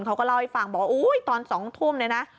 เขาก็เล่าให้ฟังบอกว่าอุ๊ยตอน๒ทุ่มเนี่ยนะ